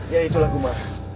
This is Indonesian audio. ya itulah gubar